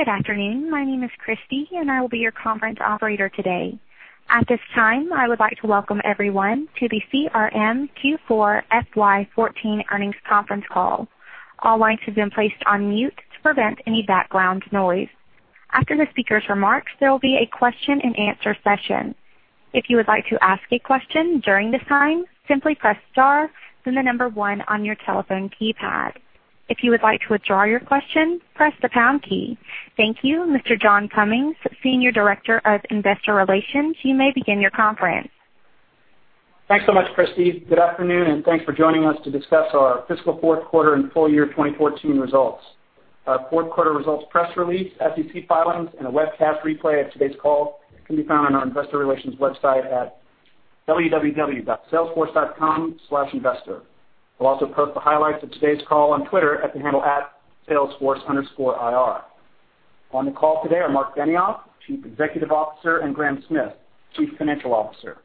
Good afternoon. My name is Christy, I will be your conference operator today. At this time, I would like to welcome everyone to the CRM Q4 FY 2014 earnings conference call. All lines have been placed on mute to prevent any background noise. After the speaker's remarks, there will be a question and answer session. If you would like to ask a question during this time, simply press star then the number 1 on your telephone keypad. If you would like to withdraw your question, press the pound key. Thank you, Mr. John Cummings, Senior Director of Investor Relations. You may begin your conference. Thanks so much, Christy. Good afternoon, thanks for joining us to discuss our fiscal fourth quarter and full year 2014 results. Our fourth quarter results press release, SEC filings, a webcast replay of today's call can be found on our investor relations website at www.salesforce.com/investor. We'll also post the highlights of today's call on Twitter at the handle @salesforce_IR. On the call today are Marc Benioff, Chief Executive Officer, and Graham Smith, Chief Financial Officer.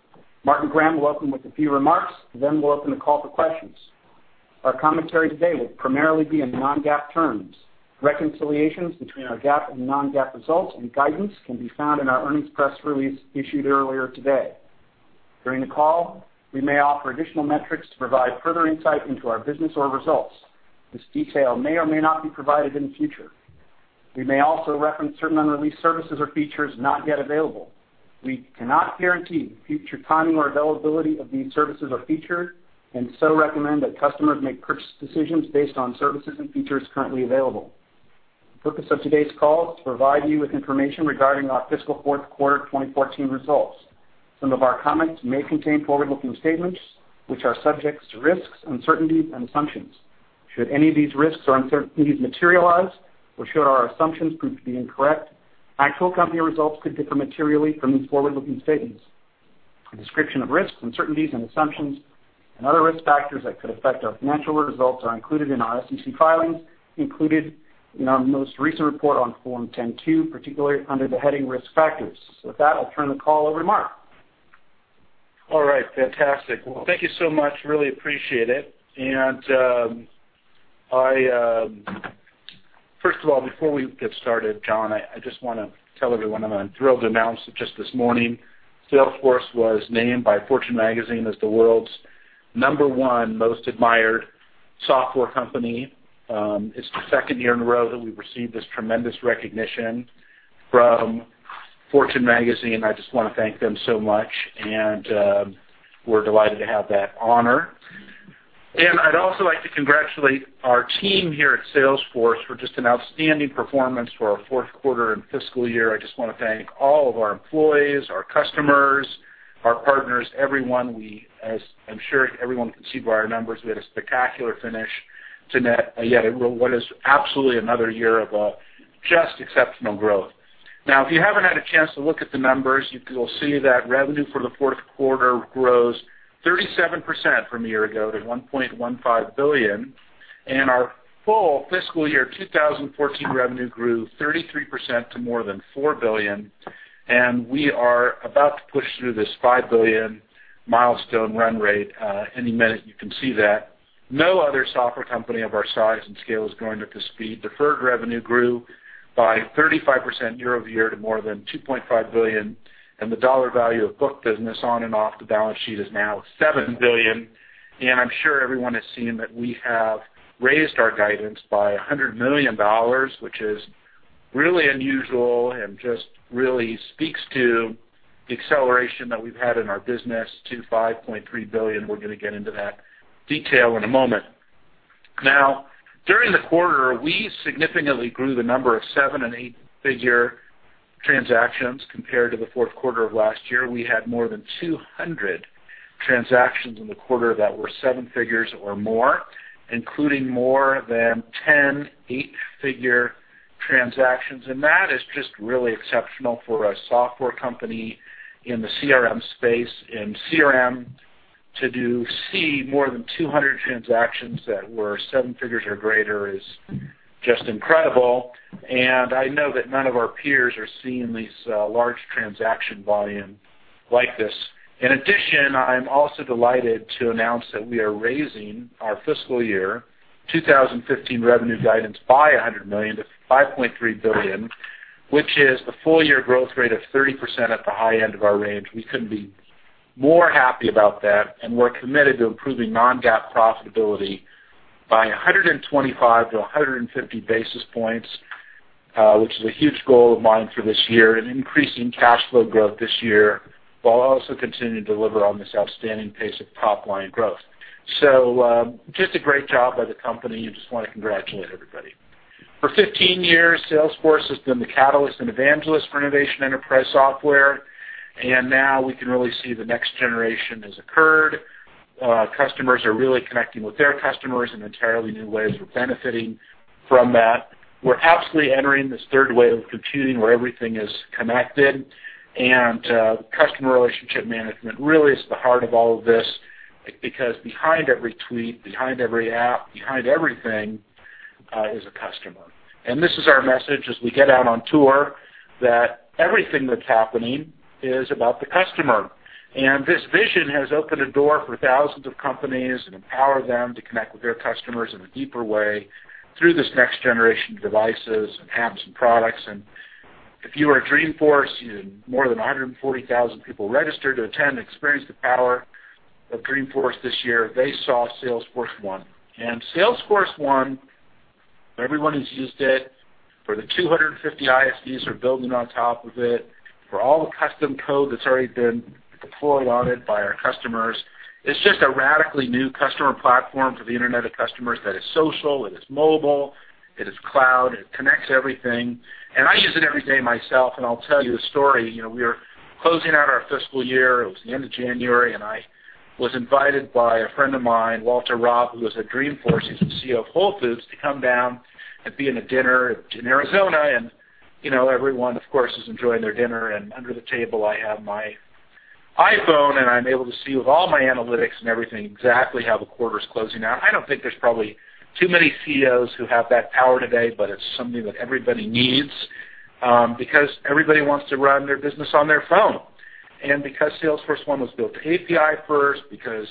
Marc and Graham will open with a few remarks, then we'll open the call for questions. Our commentary today will primarily be in non-GAAP terms. Reconciliations between our GAAP and non-GAAP results and guidance can be found in our earnings press release issued earlier today. During the call, we may offer additional metrics to provide further insight into our business or results. This detail may or may not be provided in the future. We may also reference certain unreleased services or features not yet available. We cannot guarantee the future timing or availability of these services or features so recommend that customers make purchase decisions based on services and features currently available. The purpose of today's call is to provide you with information regarding our fiscal fourth quarter 2014 results. Some of our comments may contain forward-looking statements, which are subject to risks, uncertainties, and assumptions. Should any of these risks or uncertainties materialize, should our assumptions prove to be incorrect, actual company results could differ materially from these forward-looking statements. A description of risks, uncertainties, and assumptions other risk factors that could affect our financial results are included in our SEC filings, included in our most recent report on Form 10-Q, particularly under the heading Risk Factors. With that, I'll turn the call over to Marc. All right. Fantastic. Thank you so much. Really appreciate it. First of all, before we get started, John, I just want to tell everyone that I'm thrilled to announce that just this morning, Salesforce was named by Fortune Magazine as the world's number 1 most admired software company. It's the second year in a row that we've received this tremendous recognition from Fortune Magazine. I just want to thank them so much, we're delighted to have that honor. I'd also like to congratulate our team here at Salesforce for just an outstanding performance for our fourth quarter and fiscal year. I just want to thank all of our employees, our customers, our partners, everyone. As I'm sure everyone can see by our numbers, we had a spectacular finish to what is absolutely another year of just exceptional growth. If you haven't had a chance to look at the numbers, you will see that revenue for the fourth quarter grows 37% from a year ago to $1.15 billion. Our full fiscal year 2014 revenue grew 33% to more than $4 billion. We are about to push through this $5 billion milestone run rate any minute. You can see that. No other software company of our size and scale is growing at this speed. Deferred revenue grew by 35% year over year to more than $2.5 billion, and the dollar value of booked business on and off the balance sheet is now $7 billion. I'm sure everyone has seen that we have raised our guidance by $100 million, which is really unusual and just really speaks to the acceleration that we've had in our business to $5.3 billion. We're going to get into that detail in a moment. During the quarter, we significantly grew the number of 7- and 8-figure transactions compared to the fourth quarter of last year. We had more than 200 transactions in the quarter that were 7 figures or more, including more than 10 8-figure transactions. That is just really exceptional for a software company in the CRM space. In CRM, to see more than 200 transactions that were 7 figures or greater is just incredible. I know that none of our peers are seeing these large transaction volume like this. In addition, I'm also delighted to announce that we are raising our fiscal year 2015 revenue guidance by $100 million to $5.3 billion, which is a full year growth rate of 30% at the high end of our range. We couldn't be more happy about that. We're committed to improving non-GAAP profitability by 125 to 150 basis points, which is a huge goal of mine for this year, and increasing cash flow growth this year, while also continuing to deliver on this outstanding pace of top-line growth. Just a great job by the company. I just want to congratulate everybody. For 15 years, Salesforce has been the catalyst and evangelist for innovation enterprise software, and now we can really see the next generation has occurred. Customers are really connecting with their customers in entirely new ways. We're benefiting from that. We're absolutely entering this third wave of computing where everything is connected, and customer relationship management really is the heart of all of this, because behind every tweet, behind every app, behind everything, is a customer. This is our message as we get out on tour, that everything that's happening is about the customer. This vision has opened a door for thousands of companies and empowered them to connect with their customers in a deeper way through this next generation of devices and apps and products. If you were at Dreamforce, more than 140,000 people registered to attend and experience the power of Dreamforce this year. They saw Salesforce1. Salesforce1, everyone who's used it, for the 250 ISVs who are building on top of it, for all the custom code that's already been deployed on it by our customers. It's just a radically new customer platform for the Internet of customers that is social, it is mobile, it is cloud, it connects everything. I use it every day myself, and I'll tell you a story. We were closing out our fiscal year, it was the end of January, I was invited by a friend of mine, Walter Robb, who was at Dreamforce, he's the CEO of Whole Foods, to come down and be in a dinner in Arizona, and everyone, of course, is enjoying their dinner. Under the table, I have my iPhone, and I'm able to see with all my analytics and everything exactly how the quarter's closing out. I don't think there's probably too many CEOs who have that power today, but it's something that everybody needs, because everybody wants to run their business on their phone. Because Salesforce1 was built API first, because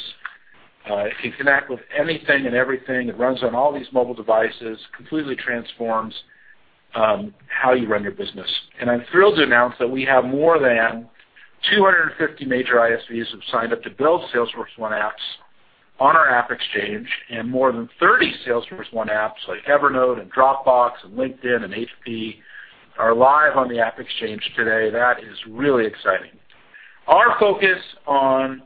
it can connect with anything and everything, it runs on all these mobile devices, completely transforms how you run your business. I'm thrilled to announce that we have more than 250 major ISVs who have signed up to build Salesforce1 apps on our AppExchange, and more than 30 Salesforce1 apps, like Evernote and Dropbox and LinkedIn and HP, are live on the AppExchange today. That is really exciting. Our focus on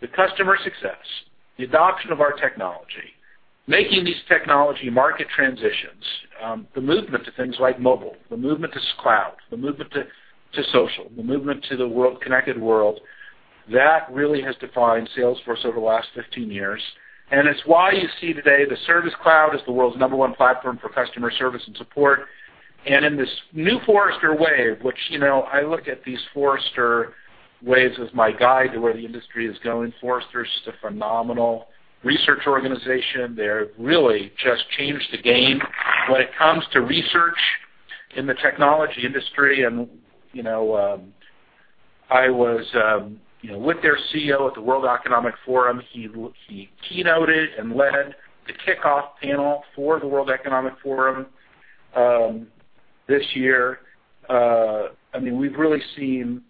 the customer success, the adoption of our technology, making these technology market transitions, the movement to things like mobile, the movement to cloud, the movement to social, the movement to the connected world, that really has defined Salesforce over the last 15 years. It's why you see today the Service Cloud is the world's number one platform for customer service and support. In this new Forrester Wave, which I look at these Forrester Waves as my guide to where the industry is going. Forrester's just a phenomenal research organization. They really just changed the game when it comes to research in the technology industry. I was with their CEO at the World Economic Forum. He keynoted and led the kickoff panel for the World Economic Forum this year. We've really seen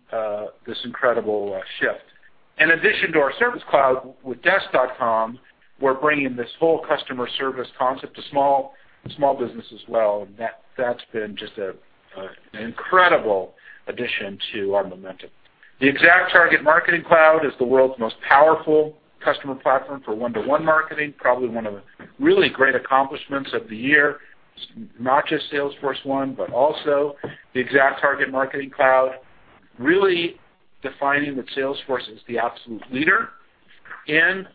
this incredible shift. In addition to our Service Cloud with Desk.com, we're bringing this whole customer service concept to small business as well. That's been just an incredible addition to our momentum. The ExactTarget Marketing Cloud is the world's most powerful customer platform for one-to-one marketing, probably one of the really great accomplishments of the year. Not just Salesforce1, but also the ExactTarget Marketing Cloud, really defining that Salesforce is the absolute leader in marketing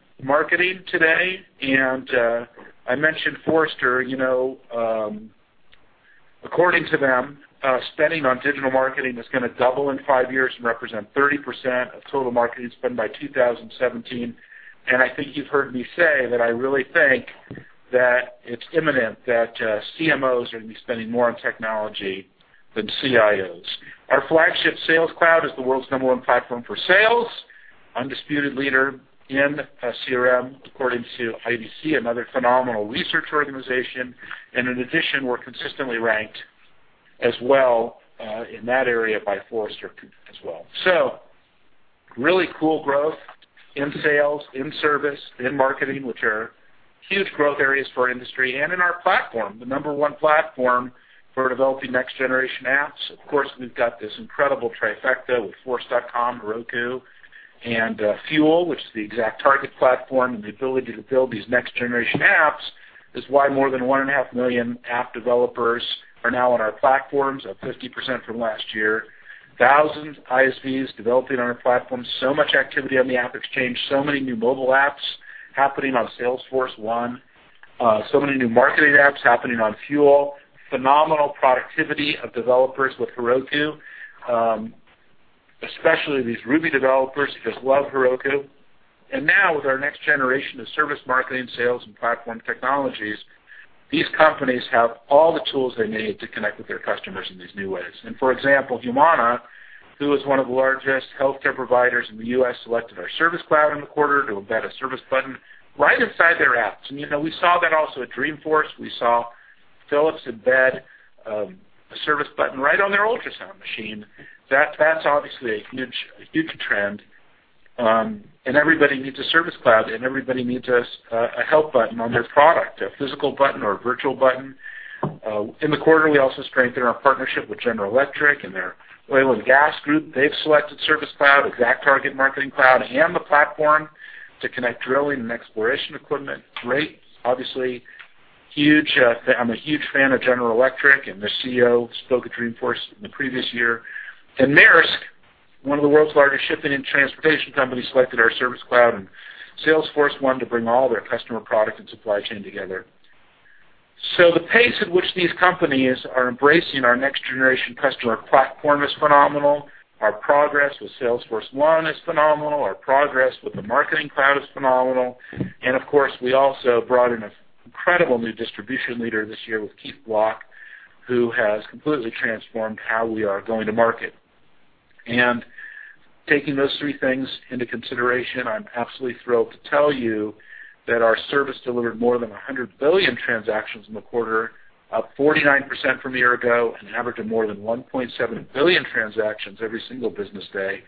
today. I mentioned Forrester. According to them, spending on digital marketing is going to double in five years and represent 30% of total marketing spend by 2017. I think you've heard me say that I really think that it's imminent that CMOs are going to be spending more on technology than CIOs. Our flagship Sales Cloud is the world's number one platform for sales. Undisputed leader in CRM according to IDC, another phenomenal research organization. In addition, we're consistently ranked as well in that area by Forrester as well. Really cool growth in sales, in service, in marketing, which are huge growth areas for our industry, and in our platform, the number one platform for developing next generation apps. We've got this incredible trifecta with Force.com, Heroku, and Fuel, which is the ExactTarget platform, and the ability to build these next generation apps is why more than 1.5 million app developers are now on our platforms, up 50% from last year. Thousands of ISVs developing on our platform. So much activity on the AppExchange, so many new mobile apps happening on Salesforce1. So many new marketing apps happening on Fuel. Phenomenal productivity of developers with Heroku, especially these Ruby developers who just love Heroku. Now, with our next generation of service, marketing, sales, and platform technologies, these companies have all the tools they need to connect with their customers in these new ways. For example, Humana, who is one of the largest healthcare providers in the U.S., selected our Service Cloud in the quarter to embed a service button right inside their apps. We saw that also at Dreamforce. We saw Philips embed a service button right on their ultrasound machine. That's obviously a huge trend. Everybody needs a Service Cloud, and everybody needs a help button on their product, a physical button or a virtual button. In the quarter, we also strengthened our partnership with General Electric and their oil and gas group. They've selected Service Cloud, ExactTarget Marketing Cloud, and the platform to connect drilling and exploration equipment. Great. Obviously, I'm a huge fan of General Electric, and their CEO spoke at Dreamforce in the previous year. Maersk, one of the world's largest shipping and transportation companies, selected our Service Cloud and Salesforce1 to bring all their customer product and supply chain together. The pace at which these companies are embracing our next generation customer platform is phenomenal. Our progress with Salesforce1 is phenomenal. Our progress with the Marketing Cloud is phenomenal. Of course, we also brought in Incredible new distribution leader this year with Keith Block, who has completely transformed how we are going to market. Taking those three things into consideration, I'm absolutely thrilled to tell you that our service delivered more than 100 billion transactions in the quarter, up 49% from a year ago, an average of more than 1.7 billion transactions every single business day.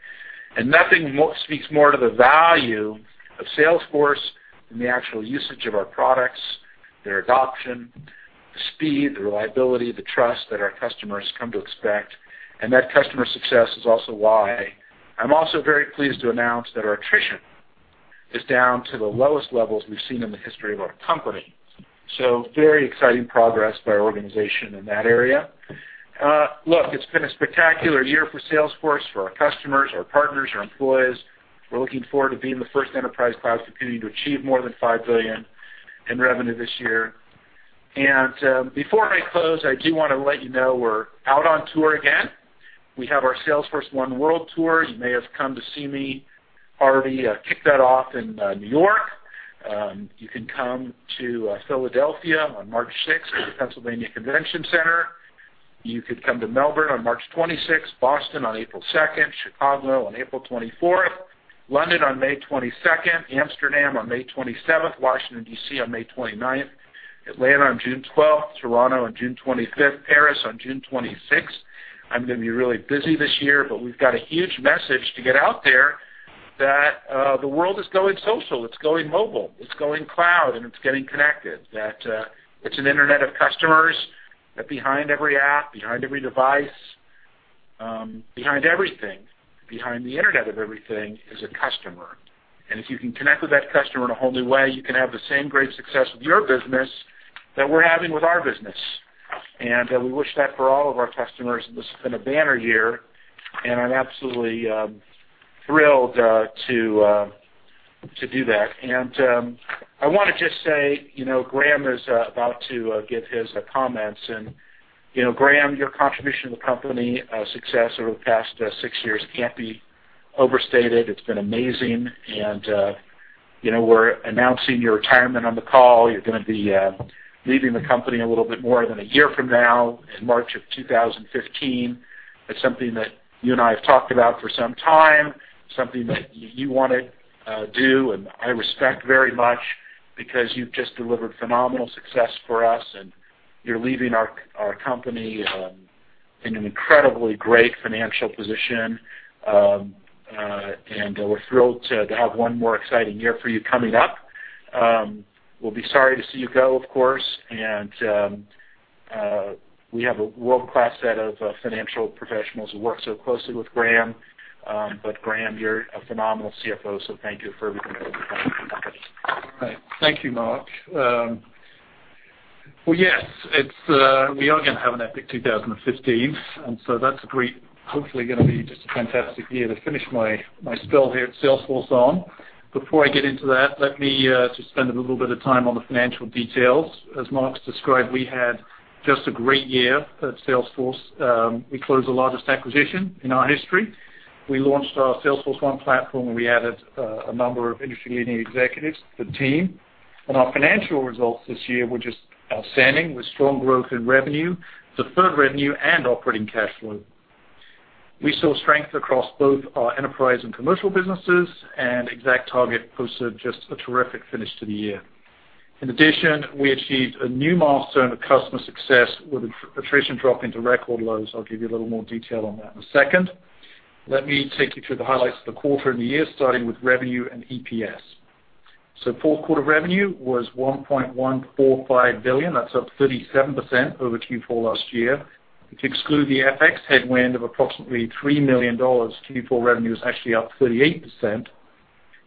Nothing speaks more to the value of Salesforce than the actual usage of our products, their adoption, the speed, the reliability, the trust that our customers come to expect. That customer success is also why I'm also very pleased to announce that our attrition is down to the lowest levels we've seen in the history of our company. Very exciting progress by our organization in that area. Look, it's been a spectacular year for Salesforce, for our customers, our partners, our employees. We're looking forward to being the first enterprise cloud company to achieve more than $5 billion in revenue this year. Before I close, I do want to let you know we're out on tour again. We have our Salesforce1 World Tour. You may have come to see me already. I kicked that off in New York. You can come to Philadelphia on March 6th to the Pennsylvania Convention Center. You could come to Melbourne on March 26th, Boston on April 2nd, Chicago on April 24th, London on May 22nd, Amsterdam on May 27th, Washington, D.C. on May 29th, Atlanta on June 12th, Toronto on June 25th, Paris on June 26th. I'm going to be really busy this year. We've got a huge message to get out there that the world is going social, it's going mobile, it's going cloud, and it's getting connected. That it's an internet of customers, that behind every app, behind every device, behind everything, behind the internet of everything, is a customer. If you can connect with that customer in a whole new way, you can have the same great success with your business that we're having with our business. We wish that for all of our customers. This has been a banner year. I'm absolutely thrilled to do that. I want to just say, Graham, is about to give his comments, and Graham, your contribution to the company success over the past six years can't be overstated. It's been amazing. We're announcing your retirement on the call. You're going to be leaving the company a little bit more than a year from now, in March of 2015. That's something that you and I have talked about for some time, something that you want to do. I respect very much because you've just delivered phenomenal success for us. You're leaving our company in an incredibly great financial position. We're thrilled to have one more exciting year for you coming up. We'll be sorry to see you go, of course. We have a world-class set of financial professionals who work so closely with Graham. Graham, you're a phenomenal CFO. Thank you for everything that you've done. Thank you, Marc. Yes, we are going to have an epic 2015. That's hopefully going to be just a fantastic year to finish my spell here at Salesforce on. Before I get into that, let me just spend a little bit of time on the financial details. As Marc described, we had just a great year at Salesforce. We closed the largest acquisition in our history. We launched our Salesforce1 platform. We added a number of industry-leading executives to the team. Our financial results this year were just outstanding, with strong growth in revenue, deferred revenue, and operating cash flow. We saw strength across both our enterprise and commercial businesses. ExactTarget posted just a terrific finish to the year. In addition, we achieved a new milestone of customer success with attrition dropping to record lows. I'll give you a little more detail on that in a second. Let me take you through the highlights of the quarter and the year, starting with revenue and EPS. Fourth quarter revenue was $1.145 billion. That's up 37% over Q4 last year. If you exclude the FX headwind of approximately $3 million, Q4 revenue is actually up 38%.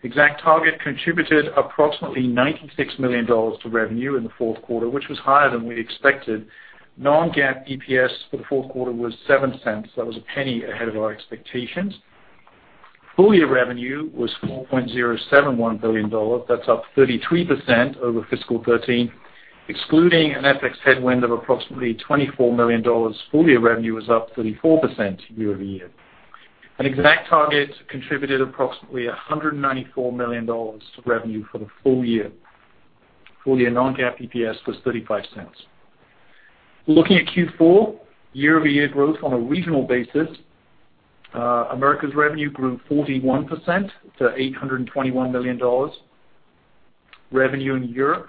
ExactTarget contributed approximately $96 million to revenue in the fourth quarter, which was higher than we expected. Non-GAAP EPS for the fourth quarter was $0.07. That was a $0.01 ahead of our expectations. Full year revenue was $4.071 billion. That's up 33% over fiscal 2013. Excluding an FX headwind of approximately $24 million, full year revenue was up 34% year-over-year. ExactTarget contributed approximately $194 million to revenue for the full year. Full year non-GAAP EPS was $0.35. Looking at Q4 year-over-year growth on a regional basis, Americas revenue grew 41% to $821 million. Revenue in Europe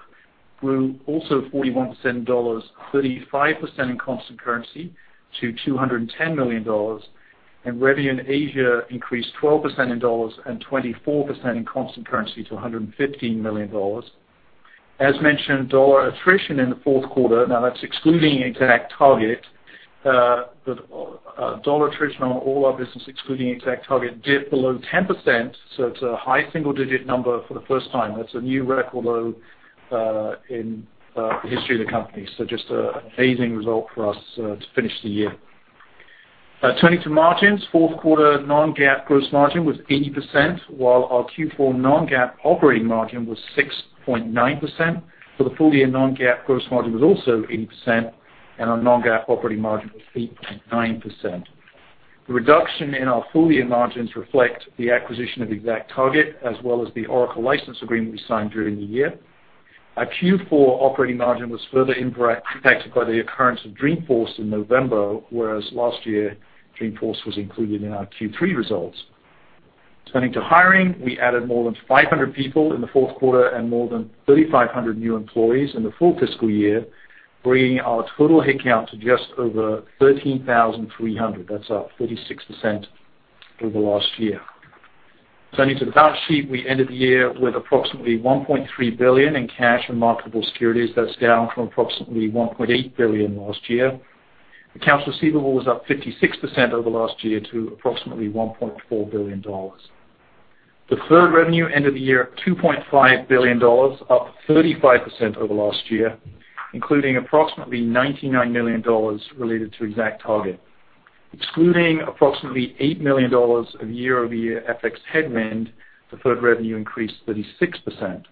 grew also 41% in dollars, 35% in constant currency to $210 million. Revenue in Asia increased 12% in dollars and 24% in constant currency to $115 million. As mentioned, dollar attrition in the fourth quarter, now that's excluding ExactTarget. The dollar attrition on all our business, excluding ExactTarget, dipped below 10%, so it's a high single-digit number for the first time. That's a new record low in the history of the company. Just an amazing result for us to finish the year. Turning to margins, fourth quarter non-GAAP gross margin was 80%, while our Q4 non-GAAP operating margin was 6.9%. For the full year, non-GAAP gross margin was also 80%. Our non-GAAP operating margin was 8.9%. The reduction in our full-year margins reflect the acquisition of ExactTarget, as well as the Oracle license agreement we signed during the year. Our Q4 operating margin was further impacted by the occurrence of Dreamforce in November, whereas last year, Dreamforce was included in our Q3 results. Turning to hiring, we added more than 500 people in the fourth quarter and more than 3,500 new employees in the full fiscal year, bringing our total headcount to just over 13,300. That's up 36% over last year. Turning to the balance sheet, we ended the year with approximately $1.3 billion in cash and marketable securities. That's down from approximately $1.8 billion last year. Accounts receivable was up 56% over last year to approximately $1.4 billion. Deferred revenue ended the year at $2.5 billion, up 35% over last year, including approximately $99 million related to ExactTarget. Excluding approximately $8 million of year-over-year FX headwind, deferred revenue increased 36%.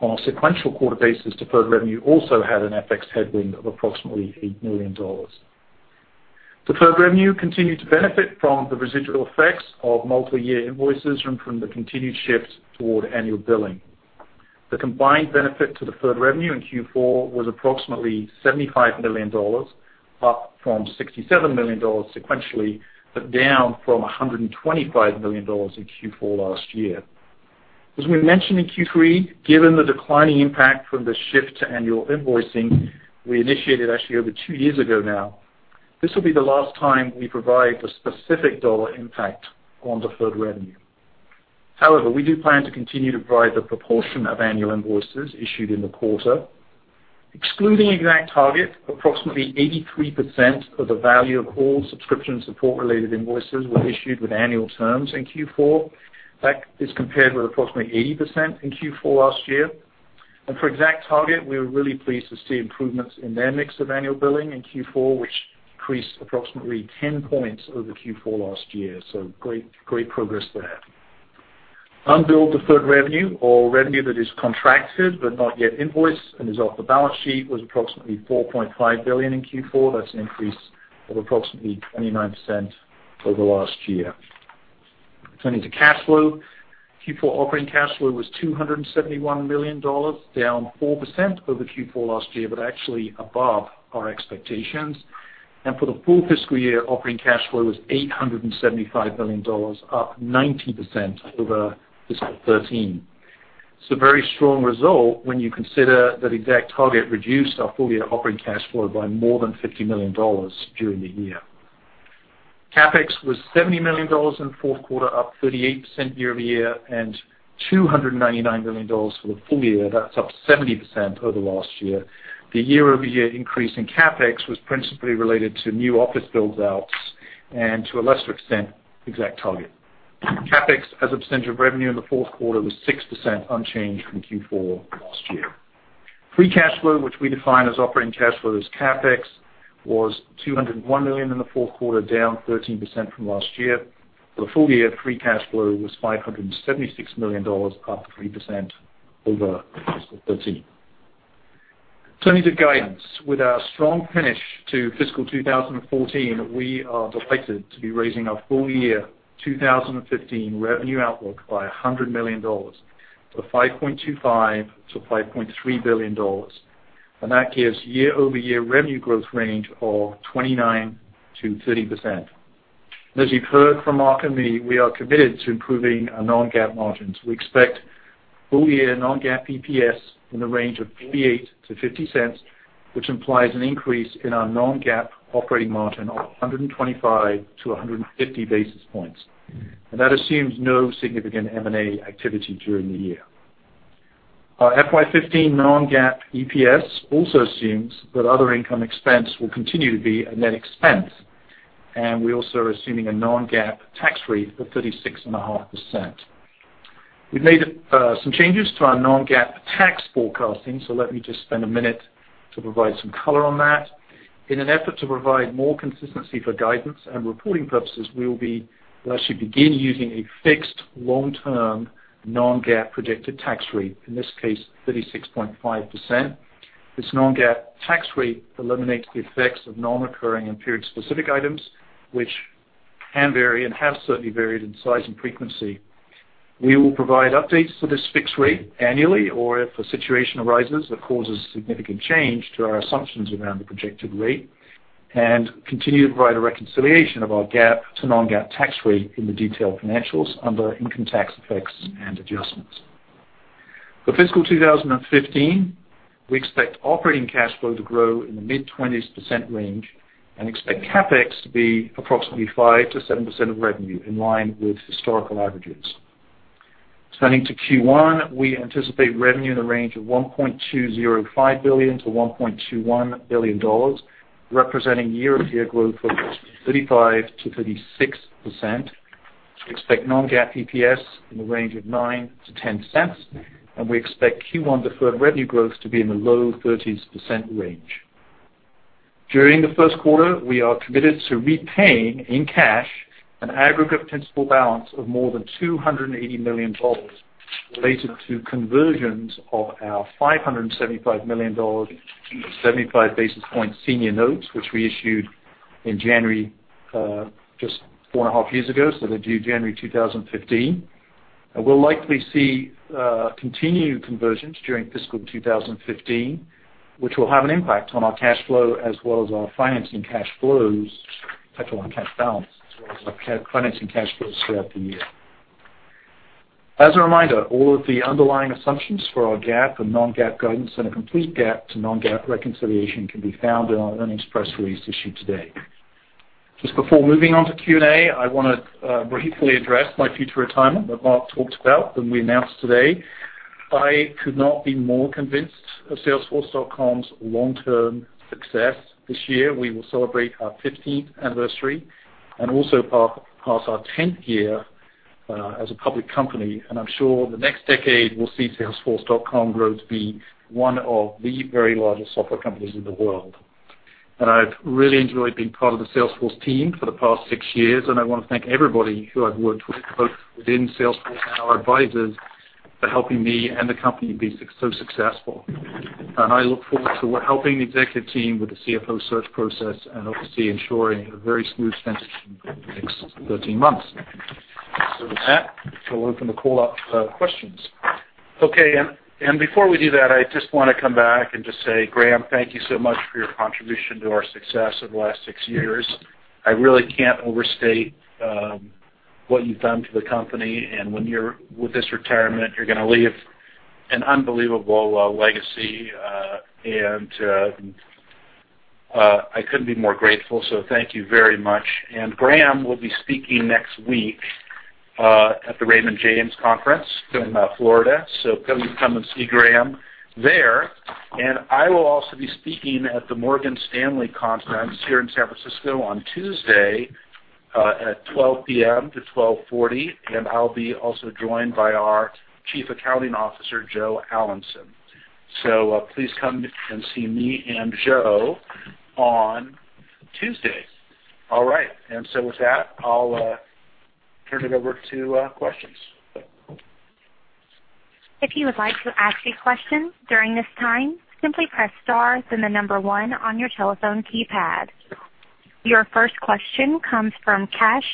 On a sequential quarter basis, deferred revenue also had an FX headwind of approximately $8 million. Deferred revenue continued to benefit from the residual effects of multi-year invoices from the continued shift toward annual billing. The combined benefit to deferred revenue in Q4 was approximately $75 million, up from $67 million sequentially, but down from $125 million in Q4 last year. As we mentioned in Q3, given the declining impact from the shift to annual invoicing we initiated actually over two years ago now, this will be the last time we provide the specific dollar impact on deferred revenue. However, we do plan to continue to provide the proportion of annual invoices issued in the quarter. Excluding ExactTarget, approximately 83% of the value of all subscription and support-related invoices were issued with annual terms in Q4. That is compared with approximately 80% in Q4 last year. For ExactTarget, we were really pleased to see improvements in their mix of annual billing in Q4, which increased approximately 10 points over Q4 last year, so great progress there. Unbilled deferred revenue or revenue that is contracted but not yet invoiced and is off the balance sheet was approximately $4.5 billion in Q4. That's an increase of approximately 29% over last year. Turning to cash flow, Q4 operating cash flow was $271 million, down 4% over Q4 last year, but actually above our expectations. For the full fiscal year, operating cash flow was $875 million, up 90% over fiscal 2013. It's a very strong result when you consider that ExactTarget reduced our full-year operating cash flow by more than $50 million during the year. CapEx was $70 million in the fourth quarter, up 38% year-over-year, and $299 million for the full year. That's up 70% over last year. The year-over-year increase in CapEx was principally related to new office build-outs and, to a lesser extent, ExactTarget. CapEx as a percentage of revenue in the fourth quarter was 6%, unchanged from Q4 last year. Free cash flow, which we define as operating cash flow less CapEx, was $201 million in the fourth quarter, down 13% from last year. For the full year, free cash flow was $576 million, up 3% over fiscal 2013. Turning to guidance. With our strong finish to fiscal 2014, we are delighted to be raising our full-year 2015 revenue outlook by $100 million to $5.25 billion-$5.3 billion. That gives year-over-year revenue growth range of 29%-30%. As you've heard from Marc and me, we are committed to improving our non-GAAP margins. We expect full-year non-GAAP EPS in the range of $0.48-$0.50, which implies an increase in our non-GAAP operating margin of 125-150 basis points. That assumes no significant M&A activity during the year. Our FY 2015 non-GAAP EPS also assumes that other income expense will continue to be a net expense. We also are assuming a non-GAAP tax rate of 36.5%. We've made some changes to our non-GAAP tax forecasting, let me just spend a minute to provide some color on that. In an effort to provide more consistency for guidance and reporting purposes, we will actually begin using a fixed long-term non-GAAP predicted tax rate, in this case, 36.5%. This non-GAAP tax rate eliminates the effects of non-recurring and period-specific items, which can vary and have certainly varied in size and frequency. We will provide updates to this fixed rate annually or if a situation arises that causes significant change to our assumptions around the projected rate and continue to provide a reconciliation of our GAAP to non-GAAP tax rate in the detailed financials under income tax effects and adjustments. For fiscal 2015, we expect operating cash flow to grow in the mid-20% range and expect CapEx to be approximately 5%-7% of revenue, in line with historical averages. Turning to Q1, we anticipate revenue in the range of $1.205 billion-$1.21 billion, representing year-over-year growth of 35%-36%. We expect non-GAAP EPS in the range of $0.09-$0.10, we expect Q1 deferred revenue growth to be in the low 30s% range. During the first quarter, we are committed to repaying in cash an aggregate principal balance of more than $280 million related to conversions of our $575 million, 75 basis point senior notes, which we issued in January, just four and a half years ago, so they are due January 2015. We will likely see continued conversions during fiscal 2015, which will have an impact on our cash flow as well as our financing cash flows throughout the year. As a reminder, all of the underlying assumptions for our GAAP and non-GAAP guidance and a complete GAAP to non-GAAP reconciliation can be found in our earnings press release issued today. Before moving on to Q&A, I want to briefly address my future retirement that Marc talked about and we announced today. I could not be more convinced of Salesforce.com's long-term success. This year, we will celebrate our 15th anniversary and also pass our 10th year as a public company, I am sure the next decade will see Salesforce.com grow to be one of the very largest software companies in the world. I have really enjoyed being part of the Salesforce team for the past six years, and I want to thank everybody who I have worked with, both within Salesforce and our advisors, for helping me and the company be so successful. I look forward to helping the executive team with the CFO search process and obviously ensuring a very smooth transition in the next 13 months. With that, we will open the call up to questions. Okay. Before we do that, I just want to come back and just say, Graham, thank you so much for your contribution to our success over the last six years. I really cannot overstate what you have done for the company. With this retirement, you are going to leave an unbelievable legacy. I couldn't be more grateful, so thank you very much. Graham will be speaking next week, at the Raymond James Conference down in Florida. Come and see Graham there. I will also be speaking at the Morgan Stanley Conference here in San Francisco on Tuesday at 12:00 P.M. to 12:40 P.M. I will be also joined by our Chief Accounting Officer, Joe Allanson. Please come and see me and Joe on Tuesday. All right. With that, I will turn it over to questions. If you would like to ask a question during this time, simply press star, then the number one on your telephone keypad. Your first question comes from Kash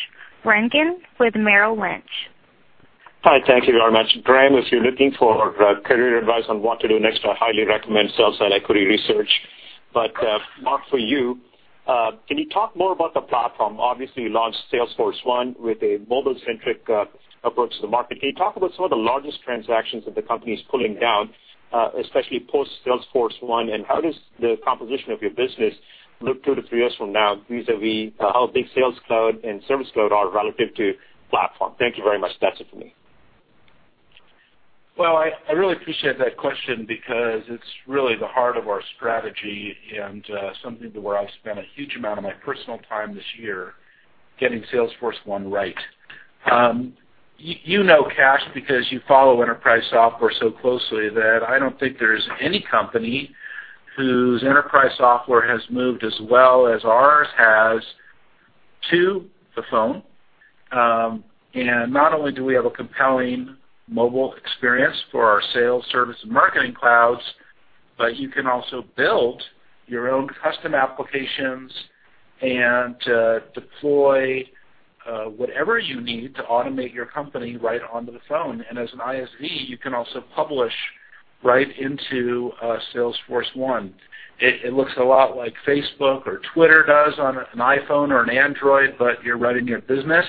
Rangan with Merrill Lynch. Hi. Thank you very much. Graham, if you're looking for career advice on what to do next, I highly recommend sell-side equity research. Marc, for you, can you talk more about the platform? Obviously, you launched Salesforce1 with a mobile-centric approach to the market. Can you talk about some of the largest transactions that the company's pulling down, especially post Salesforce1, and how does the composition of your business look two to three years from now vis-à-vis how big Sales Cloud and Service Cloud are relative to platform? Thank you very much. That's it for me. Well, I really appreciate that question because it's really the heart of our strategy and something where I've spent a huge amount of my personal time this year, getting Salesforce1 right. You know, Kash, because you follow enterprise software so closely, that I don't think there's any company whose enterprise software has moved as well as ours has to the phone. Not only do we have a compelling mobile experience for our sales, service, and marketing clouds, but you can also build your own custom applications and deploy whatever you need to automate your company right onto the phone. As an ISV, you can also publish right into Salesforce1. It looks a lot like Facebook or Twitter does on an iPhone or an Android, but you're running your business,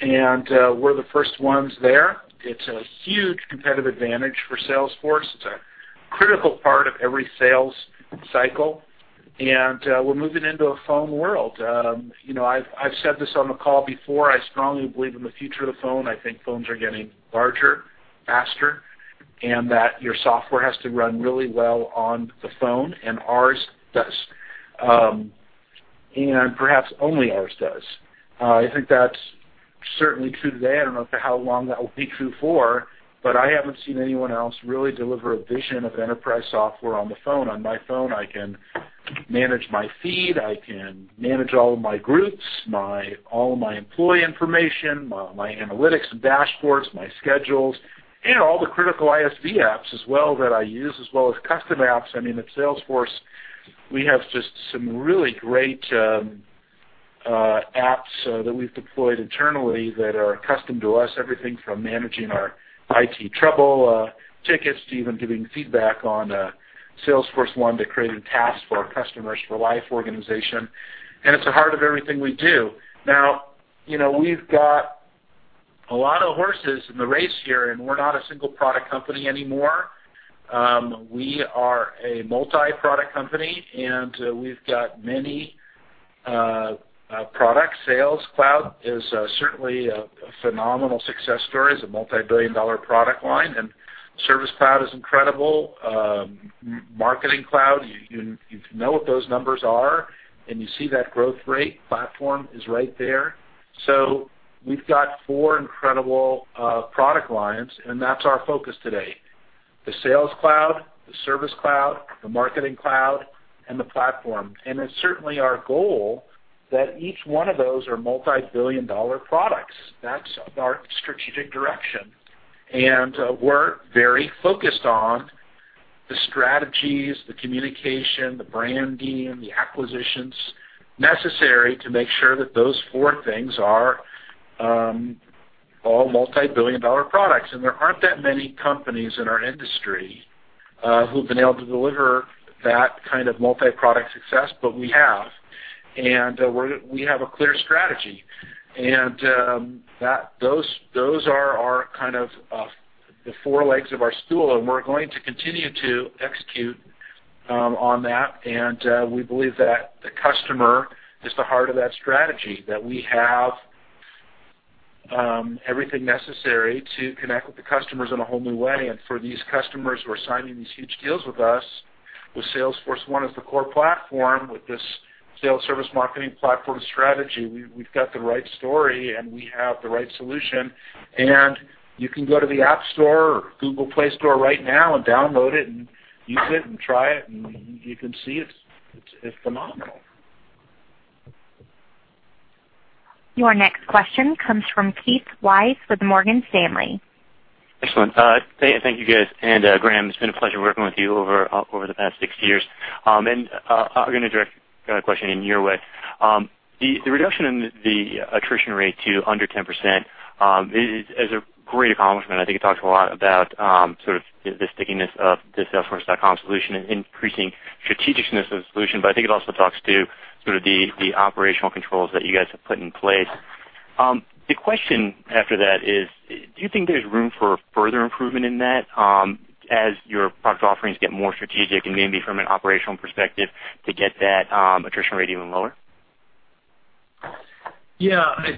and we're the first ones there. It's a huge competitive advantage for Salesforce. It's a critical part of every sales cycle, and we're moving into a phone world. I've said this on the call before. I strongly believe in the future of the phone. I think phones are getting larger, faster, and that your software has to run really well on the phone, and ours does. Perhaps only ours does. I think that's certainly true today. I don't know for how long that will be true for, but I haven't seen anyone else really deliver a vision of enterprise software on the phone. On my phone, I can manage my feed, I can manage all of my groups, all of my employee information, my analytics and dashboards, my schedules, and all the critical ISV apps as well that I use, as well as custom apps. At Salesforce, we have just some really great apps that we've deployed internally that are a custom to us, everything from managing our IT trouble tickets to even giving feedback on Salesforce1 to creating tasks for our Customers For Life organization. It's the heart of everything we do. Now, we've got a lot of horses in the race here, and we're not a single-product company anymore. We are a multi-product company, and we've got many products. Sales Cloud is certainly a phenomenal success story. It's a multi-billion-dollar product line, and Service Cloud is incredible. Marketing Cloud, you know what those numbers are, and you see that growth rate. Platform is right there. We've got four incredible product lines, and that's our focus today. The Sales Cloud, the Service Cloud, the Marketing Cloud, and the platform. It's certainly our goal that each one of those are multi-billion dollar products. That's our strategic direction. We're very focused on the strategies, the communication, the branding, the acquisitions necessary to make sure that those four things are all multi-billion dollar products. There aren't that many companies in our industry who've been able to deliver that kind of multi-product success, but we have, and we have a clear strategy. Those are our kind of the four legs of our stool, and we're going to continue to execute on that. We believe that the customer is the heart of that strategy, that we have everything necessary to connect with the customers in a whole new way. For these customers who are signing these huge deals with us, with Salesforce1 is the core platform with this sales service marketing platform strategy. We've got the right story, and we have the right solution. You can go to the App Store or Google Play Store right now and download it and use it and try it, and you can see it's phenomenal. Your next question comes from Keith Weiss with Morgan Stanley. Excellent. Thank you, guys. Graham, it's been a pleasure working with you over the past six years. I'm going to direct a question in your way. The reduction in the attrition rate to under 10% is a great accomplishment. I think it talks a lot about sort of the stickiness of the Salesforce.com solution and increasing strategic-ness of the solution. I think it also talks to sort of the operational controls that you guys have put in place. The question after that is, do you think there's room for further improvement in that as your product offerings get more strategic and maybe from an operational perspective to get that attrition rate even lower?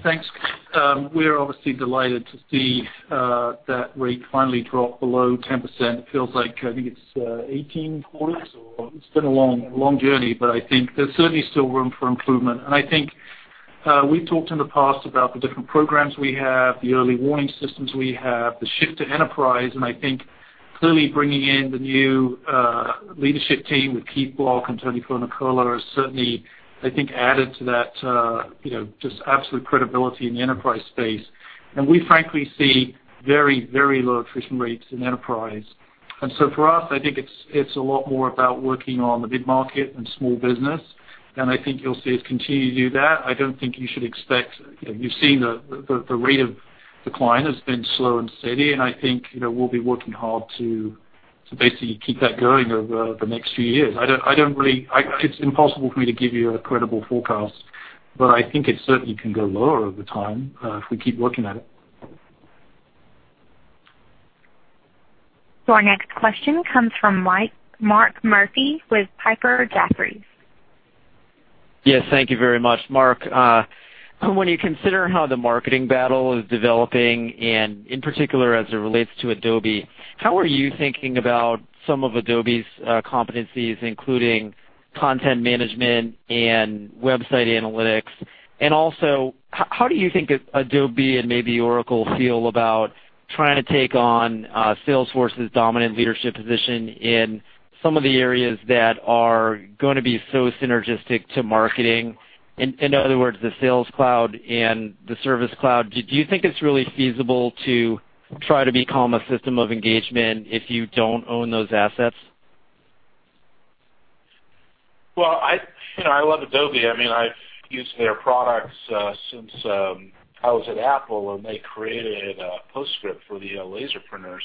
Thanks, Keith. We're obviously delighted to see that rate finally drop below 10%. It feels like, I think it's 18 quarters, or it's been a long journey, but I think there's certainly still room for improvement. I think we've talked in the past about the different programs we have, the early warning systems we have, the shift to enterprise, and I think clearly bringing in the new leadership team with Keith Block and Tony Prophet has certainly, I think, added to that just absolute credibility in the enterprise space. We frankly see very low attrition rates in enterprise. For us, I think it's a lot more about working on the mid-market and small business, and I think you'll see us continue to do that. You've seen the rate of decline has been slow and steady, and I think we'll be working hard to basically keep that going over the next few years. It's impossible for me to give you a credible forecast, but I think it certainly can go lower over time if we keep working at it. Our next question comes from Mark Murphy with Piper Jaffray. Yes, thank you very much. Mark, when you consider how the marketing battle is developing, and in particular, as it relates to Adobe, how are you thinking about some of Adobe's competencies, including content management and website analytics? Also, how do you think Adobe and maybe Oracle feel about trying to take on Salesforce's dominant leadership position in some of the areas that are going to be so synergistic to marketing? In other words, the Sales Cloud and the Service Cloud. Do you think it's really feasible to try to become a system of engagement if you don't own those assets? I love Adobe. I've used their products since I was at Apple when they created PostScript for the laser printers.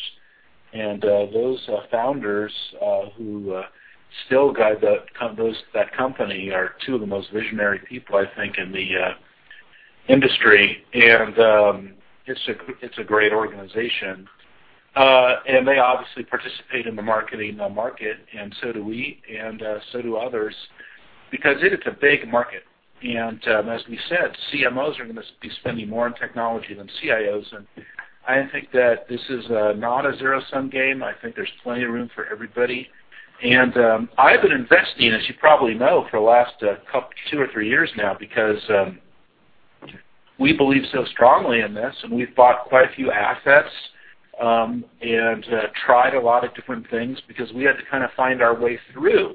Those founders who still guide that company are two of the most visionary people, I think, in the industry. It's a great organization. They obviously participate in the marketing market, and so do we, and so do others, because it is a big market. As we said, CMOs are going to be spending more on technology than CIOs, and I think that this is not a zero-sum game. I think there's plenty of room for everybody. I've been investing, as you probably know, for the last two or three years now because we believe so strongly in this, and we've bought quite a few assets and tried a lot of different things because we had to kind of find our way through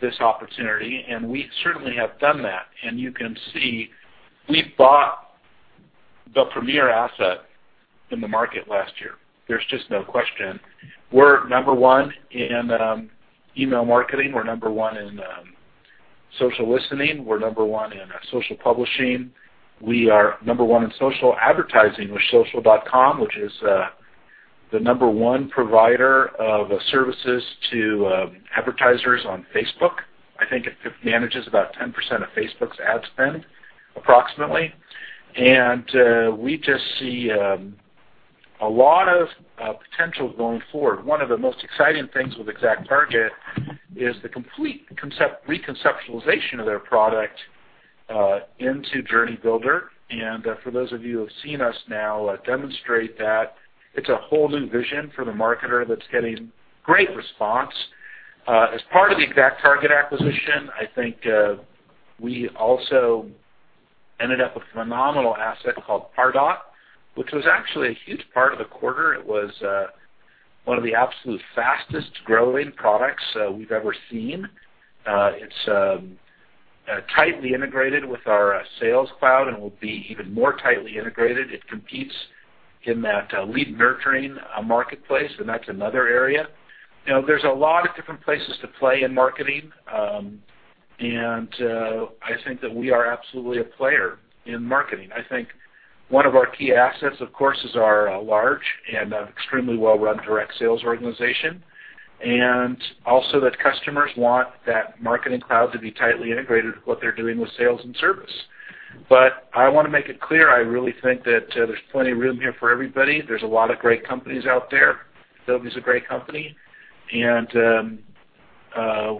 this opportunity, and we certainly have done that. You can see we bought the premier asset in the market last year. There's just no question. We're number 1 in email marketing. We're number 1 in social listening. We're number 1 in social publishing. We are number 1 in social advertising with Social.com, which is the number 1 provider of services to advertisers on Facebook. I think it manages about 10% of Facebook's ad spend, approximately. We just see a lot of potential going forward. One of the most exciting things with ExactTarget is the complete reconceptualization of their product into Journey Builder. For those of you who have seen us now demonstrate that, it's a whole new vision for the marketer that's getting great response. As part of the ExactTarget acquisition, I think we also ended up with a phenomenal asset called Pardot, which was actually a huge part of the quarter. It was one of the absolute fastest-growing products we've ever seen. It's tightly integrated with our Sales Cloud and will be even more tightly integrated. It competes in that lead nurturing marketplace, and that's another area. There's a lot of different places to play in marketing, and I think that we are absolutely a player in marketing. I think one of our key assets, of course, is our large and extremely well-run direct sales organization, and also that customers want that Marketing Cloud to be tightly integrated with what they're doing with Sales and Service. I want to make it clear, I really think that there's plenty of room here for everybody. There's a lot of great companies out there. Adobe is a great company, and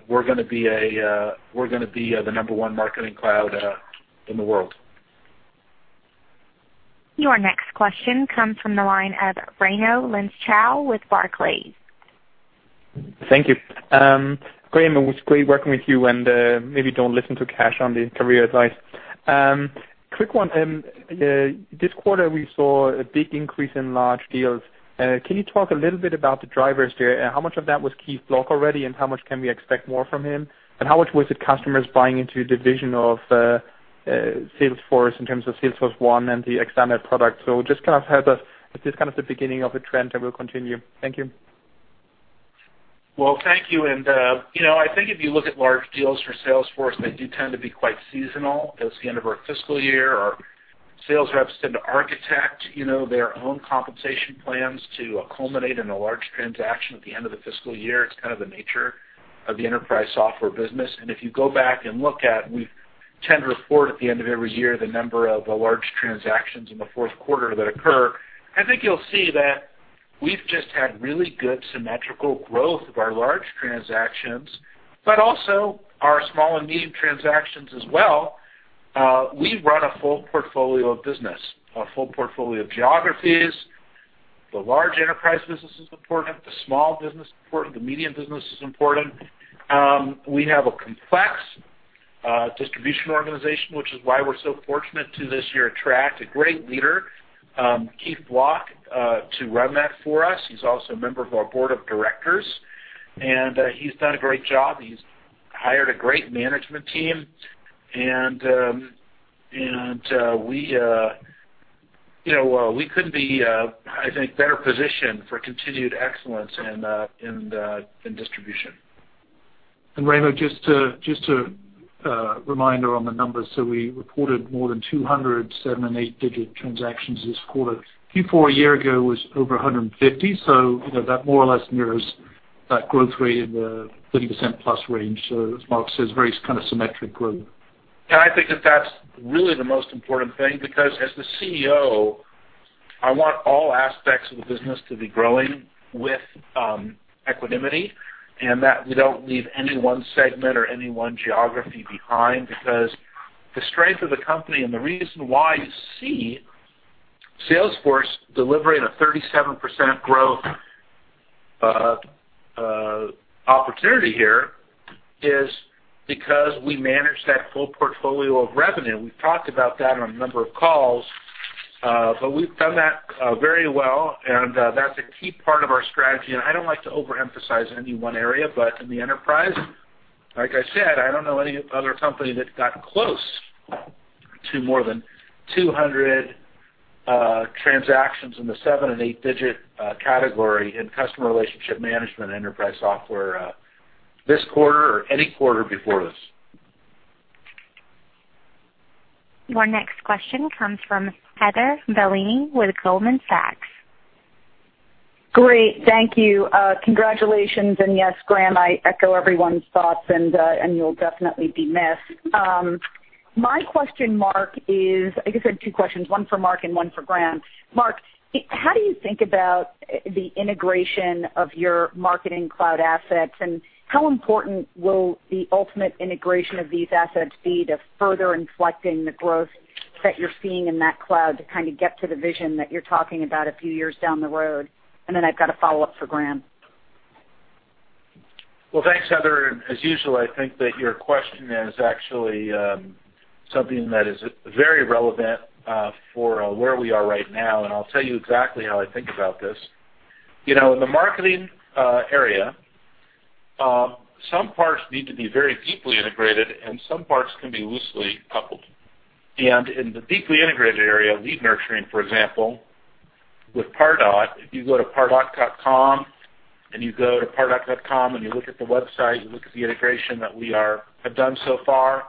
we're going to be the number 1 Marketing Cloud in the world. Your next question comes from the line of Raimo Lenschow with Barclays. Thank you. Graham, it was great working with you. Maybe don't listen to Kash on the career advice. Quick one. This quarter, we saw a big increase in large deals. Can you talk a little bit about the drivers there? How much of that was Keith Block already? How much can we expect more from him? How much was it customers buying into the vision of Salesforce in terms of Salesforce1 and the expanded product? Just kind of help us. Is this the beginning of a trend that will continue? Thank you. Well, thank you. I think if you look at large deals for Salesforce, they do tend to be quite seasonal. It's the end of our fiscal year. Our sales reps tend to architect their own compensation plans to culminate in a large transaction at the end of the fiscal year. It's kind of the nature of the enterprise software business. If you go back and look at, we tend to report at the end of every year, the number of large transactions in the fourth quarter that occur. I think you'll see that we've just had really good symmetrical growth of our large transactions, but also our small and medium transactions as well. We run a full portfolio of business, a full portfolio of geographies. The large enterprise business is important, the small business is important, the medium business is important. We have a complex distribution organization, which is why we're so fortunate to this year attract a great leader, Keith Block, to run that for us. He's also a member of our board of directors. He's done a great job. He's hired a great management team. We couldn't be, I think, better positioned for continued excellence in distribution. Raimo, just a reminder on the numbers. We reported more than 200 seven- and eight-digit transactions this quarter. Q4 a year ago was over 150. That more or less mirrors that growth rate in the 30%+ range. As Marc says, very kind of symmetric growth. I think that that's really the most important thing, because as the CEO, I want all aspects of the business to be growing with equanimity, and that we don't leave any one segment or any one geography behind because the strength of the company and the reason why you see Salesforce delivering a 37% growth opportunity here is because we manage that full portfolio of revenue. We've talked about that on a number of calls, but we've done that very well, and that's a key part of our strategy. I don't like to overemphasize any one area, but in the enterprise, like I said, I don't know any other company that got close to more than 200 transactions in the seven- and eight-digit category in customer relationship management enterprise software this quarter or any quarter before this. Our next question comes from Heather Bellini with Goldman Sachs. Great. Thank you. Congratulations. Yes, Graham, I echo everyone's thoughts, and you'll definitely be missed. My question, Marc, is I guess I have two questions, one for Marc and one for Graham. Marc, how do you think about the integration of your Marketing Cloud assets, and how important will the ultimate integration of these assets be to further inflecting the growth that you're seeing in that cloud to kind of get to the vision that you're talking about a few years down the road? Then I've got a follow-up for Graham. Well, thanks, Heather. As usual, I think that your question is actually something that is very relevant for where we are right now, I'll tell you exactly how I think about this. In the marketing area, some parts need to be very deeply integrated, some parts can be loosely coupled. In the deeply integrated area, lead nurturing, for example, with Pardot, if you go to pardot.com, you go to pardot.com and you look at the website, you look at the integration that we have done so far.